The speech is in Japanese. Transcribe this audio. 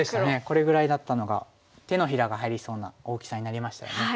これぐらいだったのが手のひらが入りそうな大きさになりましたよね。